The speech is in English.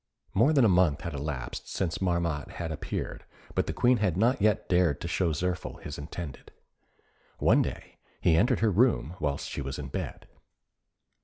More than a month had elapsed since Marmotte had appeared, but the Queen had not yet dared to show Zirphil his intended. One day he entered her room whilst she was in bed.